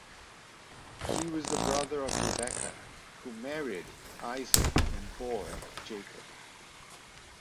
He was the brother of Rebecca, who married Isaac and bore Jacob.